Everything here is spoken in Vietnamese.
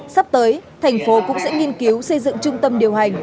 sắp tới thành phố cũng sẽ nghiên cứu xây dựng trung tâm điều hành